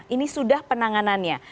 ini sudah penanganannya